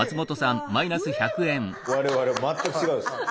我々全く違うんです。